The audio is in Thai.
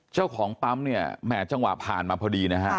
เจ้าของปั๊มเนี่ยแหม่จังหวะผ่านมาพอดีนะฮะ